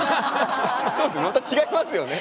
また違いますよね。